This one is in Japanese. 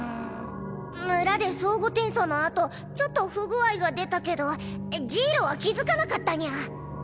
村で相互転送のあとちょっと不具合が出たけどジイロは気付かなかったニャ。